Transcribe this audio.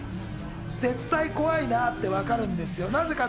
絶対怖いなぁってわかるんですよ。